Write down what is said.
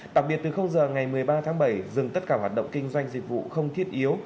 đặc biệt từ giờ ngày một mươi ba tháng bảy dừng tất cả hoạt động kinh doanh dịch vụ không thiết yếu